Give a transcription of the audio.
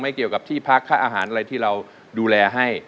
เกี่ยวกับที่พักค่าอาหารอะไรที่เราดูแลให้